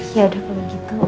ya udah kalau gitu